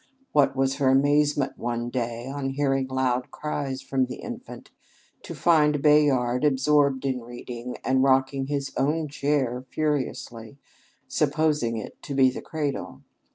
What was her amazement one day, on hearing loud cries from the infant, to find Bayard absorbed in reading, and rocking his own chair furiously, supposing it to be the cradle!